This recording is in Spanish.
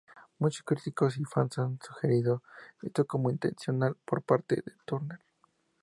Muchos críticos y fans han sugerido esto como intencional por parte de Turner.